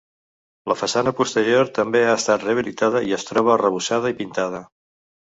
La façana posterior també ha estat rehabilitada i es troba arrebossada i pintada.